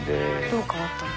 どう変わったの？